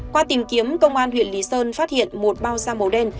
qua tìm kiếm công an huyện lý sơn phát hiện một bao da màu đen